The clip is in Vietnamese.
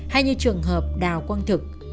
hay như trường hợp đào quang thực